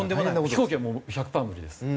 飛行機はもう１００パー無理です。